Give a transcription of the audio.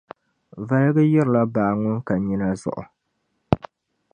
Valiga yirila baa ŋun ka nyina zuɣu.